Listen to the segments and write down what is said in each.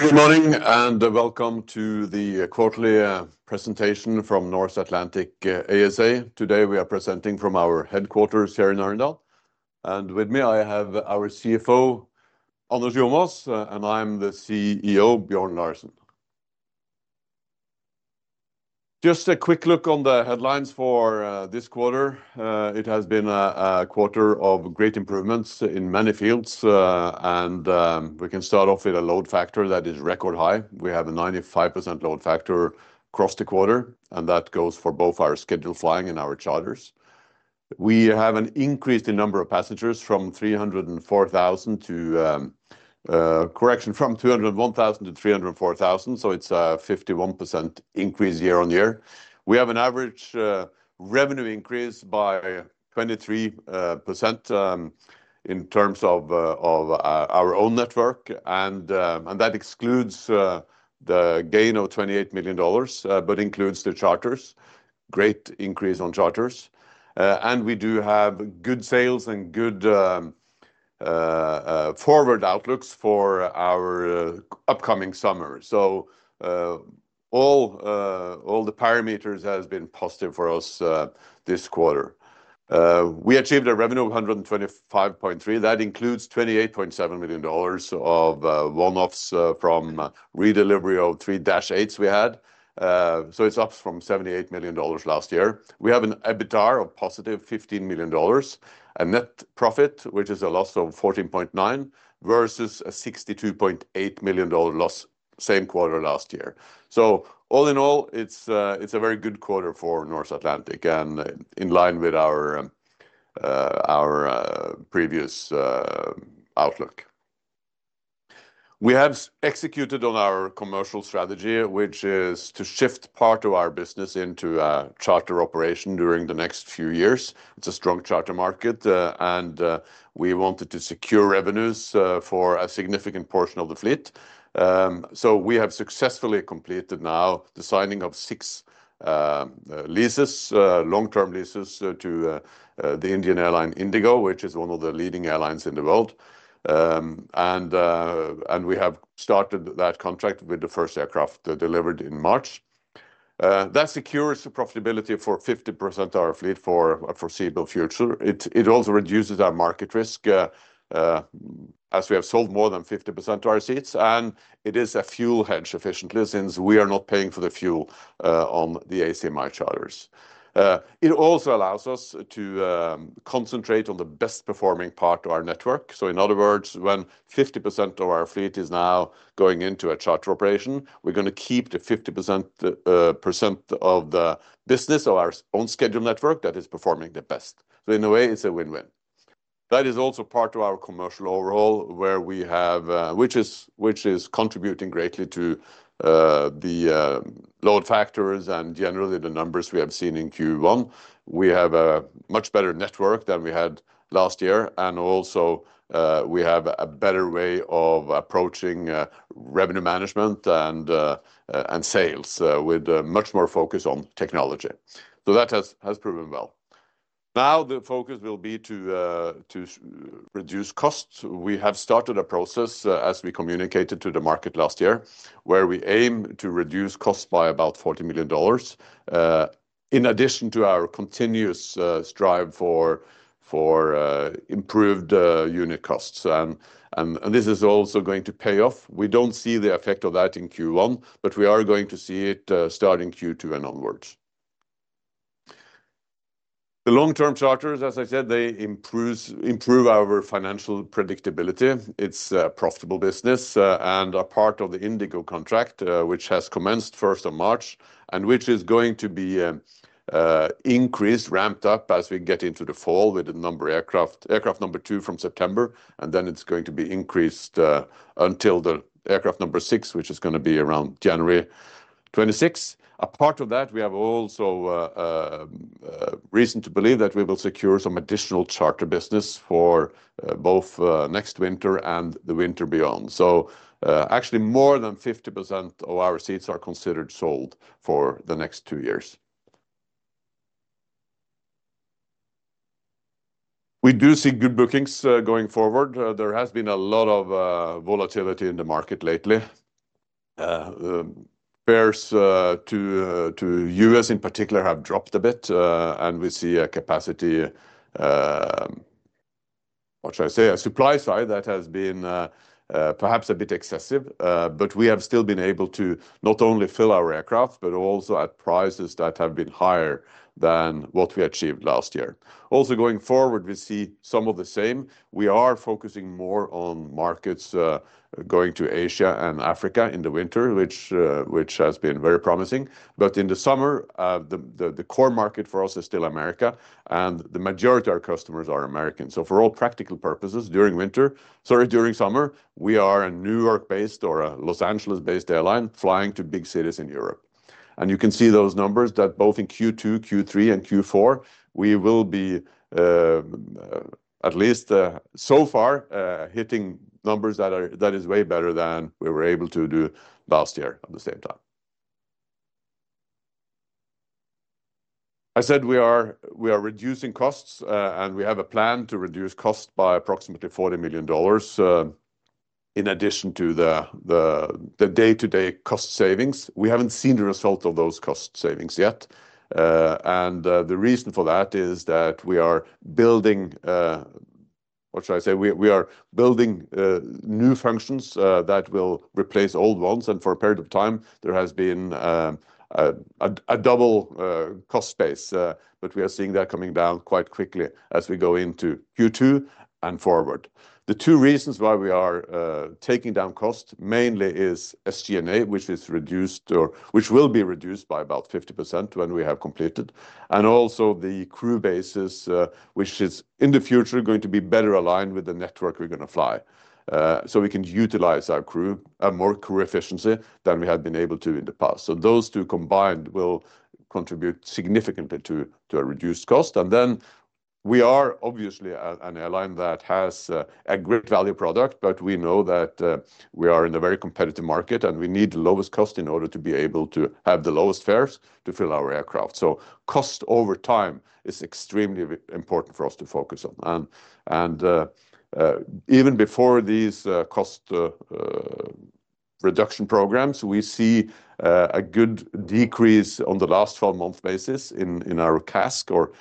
Good morning and welcome to the quarterly presentation from Norse Atlantic ASA. Today we are presenting from our headquarters here in Arendal, and with me I have our CFO, Aloisio Matos, and I'm the CEO, Bjørn Tore Larsen. Just a quick look on the headlines for this quarter. It has been a quarter of great improvements in many fields, and we can start off with a load factor that is record high. We have a 95% load factor across the quarter, and that goes for both our scheduled flying and our charters. We have an increase in number of passengers from 304,000 to, correction, from 201,000 to 304,000, so it's a 51% increase year on year. We have an average revenue increase by 23% in terms of our own network, and that excludes the gain of $28 million, but includes the charters. Great increase on charters, and we do have good sales and good forward outlooks for our upcoming summer. All the parameters have been positive for us this quarter. We achieved a revenue of $125.3 million. That includes $28.7 million of one-offs from redelivery of three Dash 8s we had, so it's up from $78 million last year. We have an EBITDA of positive $15 million, a net profit which is a loss of $14.9 million versus a $62.8 million loss same quarter last year. All in all, it's a very good quarter for Norse Atlantic and in line with our previous outlook. We have executed on our commercial strategy, which is to shift part of our business into a charter operation during the next few years. It's a strong charter market, and we wanted to secure revenues for a significant portion of the fleet. We have successfully completed now the signing of six leases, long-term leases to the Indian airline IndiGo, which is one of the leading airlines in the world, and we have started that contract with the first aircraft delivered in March. That secures the profitability for 50% of our fleet for a foreseeable future. It also reduces our market risk as we have sold more than 50% of our seats, and it is a fuel hedge efficiently since we are not paying for the fuel on the ACMI charters. It also allows us to concentrate on the best performing part of our network. In other words, when 50% of our fleet is now going into a charter operation, we're going to keep the 50% of the business of our own scheduled network that is performing the best. In a way, it's a win-win. That is also part of our commercial overhaul where we have, which is contributing greatly to the load factors and generally the numbers we have seen in Q1. We have a much better network than we had last year, and also we have a better way of approaching revenue management and sales with much more focus on technology. That has proven well. Now the focus will be to reduce costs. We have started a process, as we communicated to the market last year, where we aim to reduce costs by about $40 million in addition to our continuous strive for improved unit costs. This is also going to pay off. We do not see the effect of that in Q1, but we are going to see it starting Q2 and onwards. The long-term charters, as I said, they improve our financial predictability. It's a profitable business and a part of the IndiGo contract, which has commenced 1st of March and which is going to be increased, ramped up as we get into the fall with the number of aircraft, aircraft number two from September, and then it's going to be increased until the aircraft number six, which is going to be around January 26. Apart from that, we have also reason to believe that we will secure some additional charter business for both next winter and the winter beyond. Actually more than 50% of our seats are considered sold for the next two years. We do see good bookings going forward. There has been a lot of volatility in the market lately. Fares to U.S. in particular have dropped a bit, and we see a capacity, what should I say, a supply side that has been perhaps a bit excessive, but we have still been able to not only fill our aircraft, but also at prices that have been higher than what we achieved last year. Also going forward, we see some of the same. We are focusing more on markets going to Asia and Africa in the winter, which has been very promising. In the summer, the core market for us is still America, and the majority of our customers are American. For all practical purposes during winter, sorry, during summer, we are a New York-based or a Los Angeles-based airline flying to big cities in Europe. You can see those numbers that both in Q2, Q3, and Q4, we will be at least so far hitting numbers that are way better than we were able to do last year at the same time. I said we are reducing costs, and we have a plan to reduce costs by approximately $40 million in addition to the day-to-day cost savings. We have not seen the result of those cost savings yet, and the reason for that is that we are building, what should I say, we are building new functions that will replace old ones. For a period of time, there has been a double cost base, but we are seeing that coming down quite quickly as we go into Q2 and forward. The two reasons why we are taking down costs mainly is SG&A, which is reduced or which will be reduced by about 50% when we have completed, and also the crew basis, which is in the future going to be better aligned with the network we're going to fly. We can utilize our crew, a more crew efficiency than we had been able to in the past. Those two combined will contribute significantly to a reduced cost. We are obviously an airline that has a great value product, but we know that we are in a very competitive market and we need the lowest cost in order to be able to have the lowest fares to fill our aircraft. Cost over time is extremely important for us to focus on. Even before these cost reduction programs, we see a good decrease on the last 12-month basis in our CASK or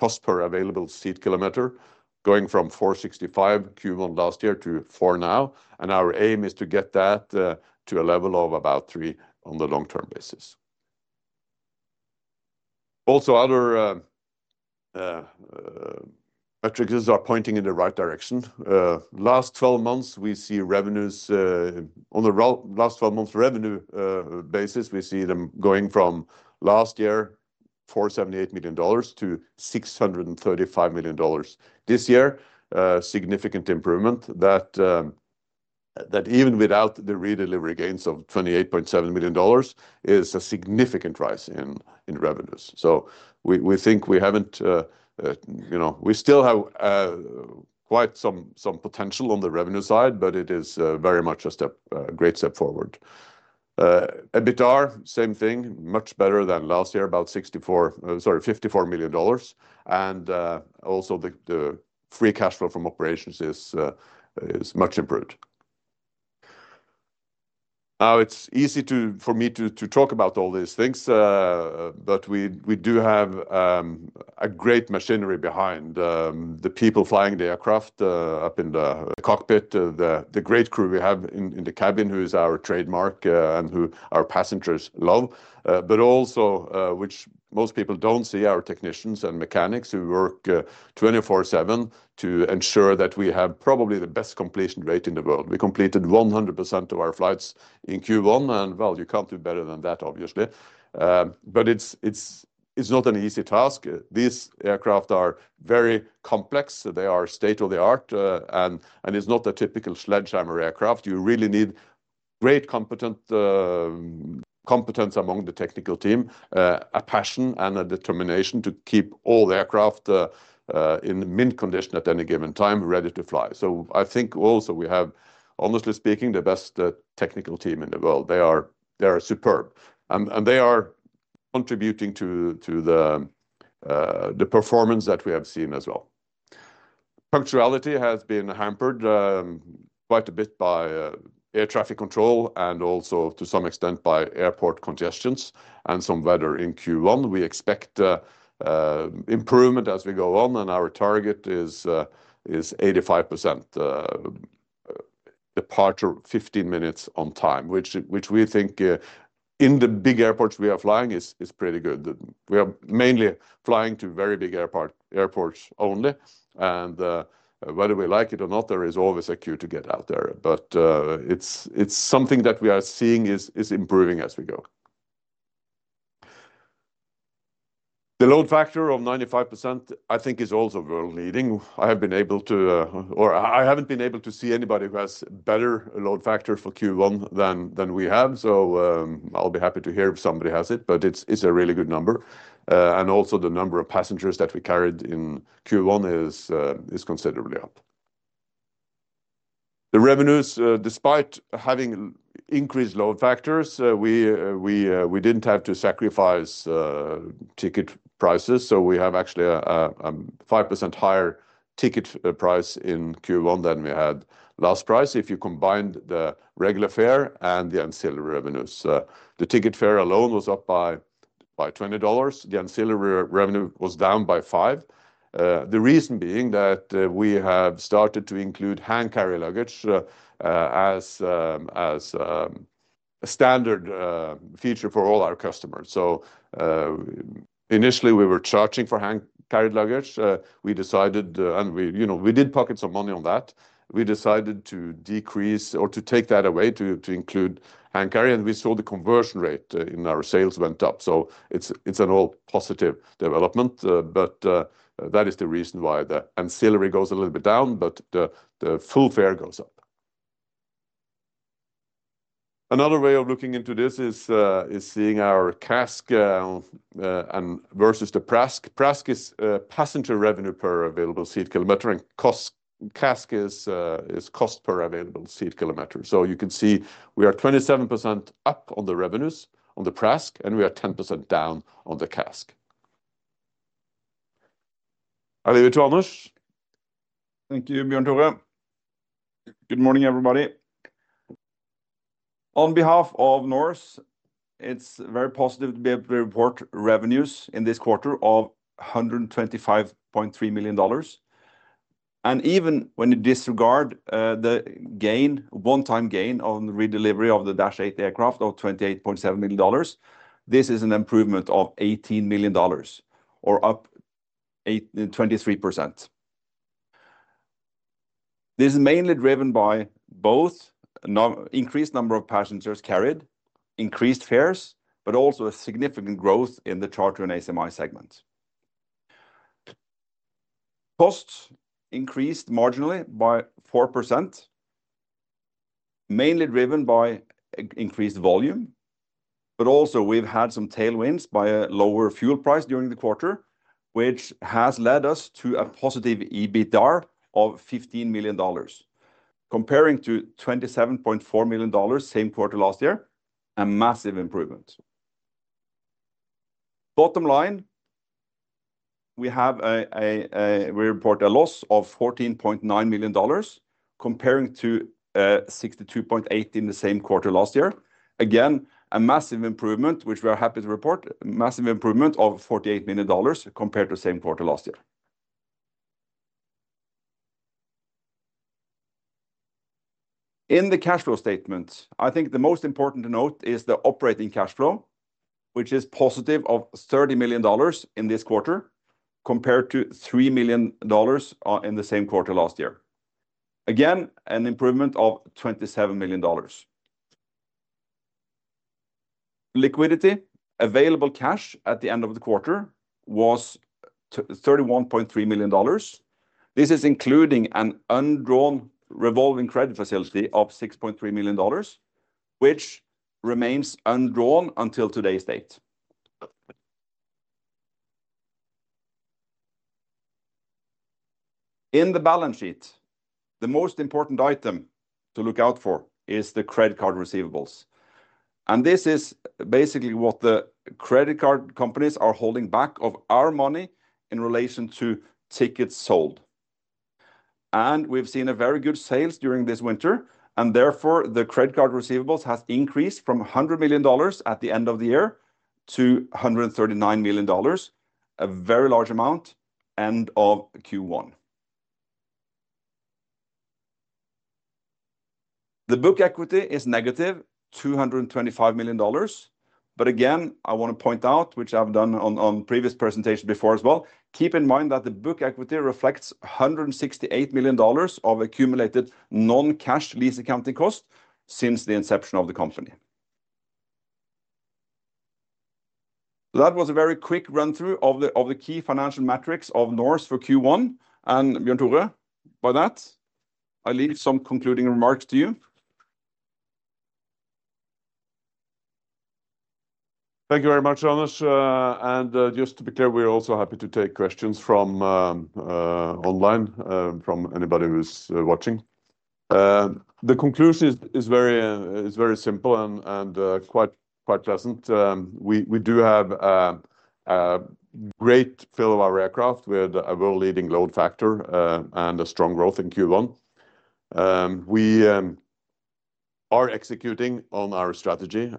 cost per available seat kilometer, going from 4.65 Q1 last year to 4 now, and our aim is to get that to a level of about 3 on the long-term basis. Also other metrics are pointing in the right direction. Last 12 months we see revenues on the last 12-month revenue basis, we see them going from last year $478 million to $635 million this year. Significant improvement that even without the redelivery gains of $28.7 million is a significant rise in revenues. We think we have not, you know, we still have quite some potential on the revenue side, but it is very much a step, a great step forward. EBITDA, same thing, much better than last year, about $64, sorry, $54 million, and also the free cash flow from operations is much improved. Now it's easy for me to talk about all these things, but we do have a great machinery behind the people flying the aircraft up in the cockpit, the great crew we have in the cabin who is our trademark and who our passengers love, but also which most people don't see, our technicians and mechanics who work 24/7 to ensure that we have probably the best completion rate in the world. We completed 100% of our flights in Q1, and you can't do better than that, obviously. It is not an easy task. These aircraft are very complex. They are state-of-the-art, and it's not a typical sledgehammer aircraft. You really need great competence among the technical team, a passion and a determination to keep all the aircraft in mint condition at any given time, ready to fly. I think also we have, honestly speaking, the best technical team in the world. They are superb, and they are contributing to the performance that we have seen as well. Punctuality has been hampered quite a bit by air traffic control and also to some extent by airport congestions and some weather in Q1. We expect improvement as we go on, and our target is 85% departure 15 minutes on time, which we think in the big airports we are flying is pretty good. We are mainly flying to very big airports only, and whether we like it or not, there is always a queue to get out there. It is something that we are seeing is improving as we go. The load factor of 95% I think is also world-leading. I have been able to, or I haven't been able to see anybody who has a better load factor for Q1 than we have, so I'll be happy to hear if somebody has it, but it's a really good number. Also, the number of passengers that we carried in Q1 is considerably up. The revenues, despite having increased load factors, we didn't have to sacrifice ticket prices, so we have actually a 5% higher ticket price in Q1 than we had last year if you combine the regular fare and the ancillary revenues. The ticket fare alone was up by $20. The ancillary revenue was down by five. The reason being that we have started to include hand-carry luggage as a standard feature for all our customers. Initially we were charging for hand-carried luggage. We decided, and we, you know, we did pockets of money on that. We decided to decrease or to take that away to include hand-carry, and we saw the conversion rate in our sales went up. It is an all positive development, but that is the reason why the ancillary goes a little bit down, but the full fare goes up. Another way of looking into this is seeing our CASK versus the PRASK. PRASK is passenger revenue per available seat kilometer, and CASK is cost per available seat kilometer. You can see we are 27% up on the revenues on the PRASK, and we are 10% down on the CASK. I'll leave it to Anders. Thank you, Bjørn Tore Larsen. Good morning, everybody. On behalf of Norse Atlantic ASA, it's very positive to be able to report revenues in this quarter of $125.3 million. Even when you disregard the one-time gain on the redelivery of the Dash 8 aircraft of $28.7 million, this is an improvement of $18 million or up 23%. This is mainly driven by both an increased number of passengers carried, increased fares, but also a significant growth in the charter and ACMI segment. Costs increased marginally by 4%, mainly driven by increased volume, but also we've had some tailwinds by a lower fuel price during the quarter, which has led us to a positive EBITDA of $15 million, comparing to $27.4 million same quarter last year, a massive improvement. Bottom line, we report a loss of $14.9 million comparing to $62.8 million in the same quarter last year. Again, a massive improvement, which we are happy to report, massive improvement of $48 million compared to the same quarter last year. In the cash flow statement, I think the most important note is the operating cash flow, which is positive of $30 million in this quarter compared to $3 million in the same quarter last year. Again, an improvement of $27 million. Liquidity, available cash at the end of the quarter was $31.3 million. This is including an undrawn revolving credit facility of $6.3 million, which remains undrawn until today's date. In the balance sheet, the most important item to look out for is the credit card receivables. This is basically what the credit card companies are holding back of our money in relation to tickets sold. We have seen very good sales during this winter, and therefore the credit card receivables have increased from $100 million at the end of the year to $139 million, a very large amount at the end of Q1. The book equity is negative $225 million. I want to point out, which I have done on previous presentations before as well, keep in mind that the book equity reflects $168 million of accumulated non-cash lease accounting cost since the inception of the company. That was a very quick run-through of the key financial metrics of Norse for Q1. Bjørn Tore Larsen, by that, I leave some concluding remarks to you. Thank you very much, Anders. Just to be clear, we are also happy to take questions from online, from anybody who is watching. The conclusion is very simple and quite pleasant. We do have a great fill of our aircraft with a world-leading load factor and a strong growth in Q1. We are executing on our strategy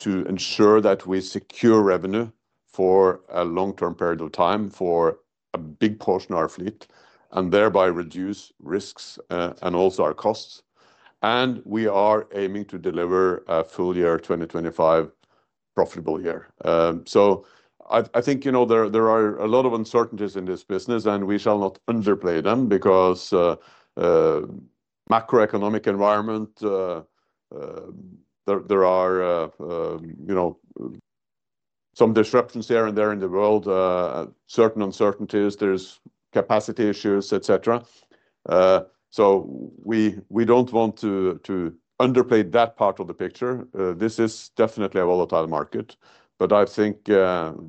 to ensure that we secure revenue for a long-term period of time for a big portion of our fleet and thereby reduce risks and also our costs. We are aiming to deliver a full year 2025 profitable year. I think, you know, there are a lot of uncertainties in this business, and we shall not underplay them because macroeconomic environment, there are, you know, some disruptions here and there in the world, certain uncertainties, there's capacity issues, etc. We do not want to underplay that part of the picture. This is definitely a volatile market, but I think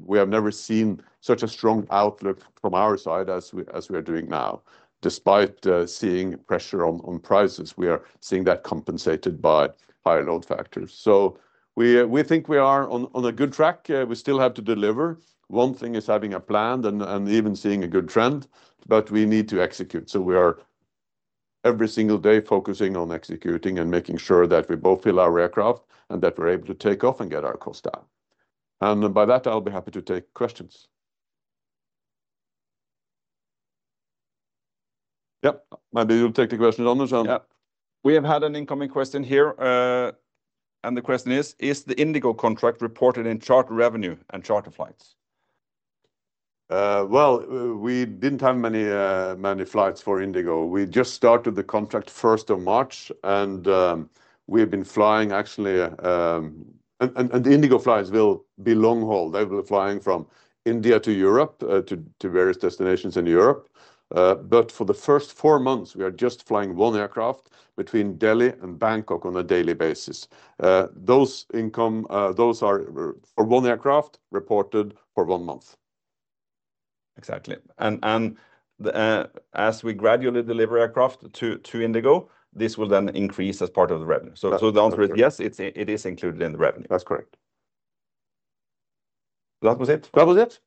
we have never seen such a strong outlook from our side as we are doing now, despite seeing pressure on prices. We are seeing that compensated by higher load factors. We think we are on a good track. We still have to deliver. One thing is having a plan and even seeing a good trend, but we need to execute. We are every single day focusing on executing and making sure that we both fill our aircraft and that we're able to take off and get our cost down. By that, I'll be happy to take questions. Yep, maybe you'll take the question, Anders. We have had an incoming question here, and the question is, is the IndiGo contract reported in charter revenue and charter flights? We did not have many flights for IndiGo. We just started the contract 1st of March, and we've been flying actually, and the IndiGo flights will be long haul. They will be flying from India to Europe to various destinations in Europe. For the first four months, we are just flying one aircraft between Delhi and Bangkok on a daily basis. Those income, those are for one aircraft reported for one month. Exactly. As we gradually deliver aircraft to IndiGo, this will then increase as part of the revenue. The answer is yes, it is included in the revenue. That's correct. That was it.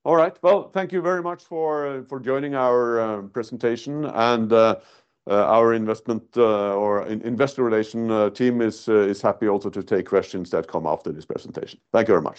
All right. Thank you very much for joining our presentation, and our investor relation team is happy also to take questions that come after this presentation. Thank you very much.